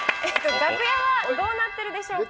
楽屋はどうなってるでしょうか。